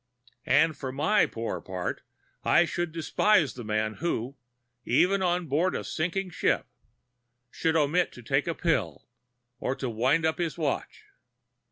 And for my own poor part I should despise the man who, even on board a sinking ship, should omit to take a pill or to wind up his watch.